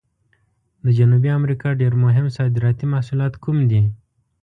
د جنوبي امریکا ډېر مهم صادراتي محصولات کوم دي؟